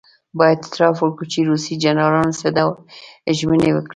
باید اعتراف وکړو چې روسي جنرالانو څه ډول ژمنې وکړې.